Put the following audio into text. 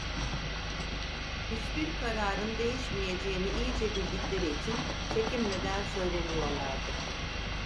Hiçbir kararın değişmeyeceğini iyice bildikleri için, çekinmeden söyleniyorlardı.